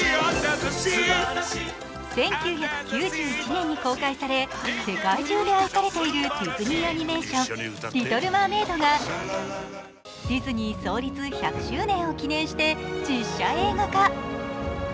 １９９１年に公開され、世界中で愛されているディズニーアニメーション「リトル・マーメイド」がディズニー創立１００周年を記念して実写映画化。